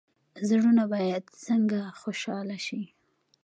زړونه باید څنګه خوشحاله شي؟